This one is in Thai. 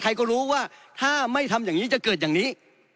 ใครก็รู้ว่าถ้าไม่ทำอย่างนี้จะเกิดอย่างนี้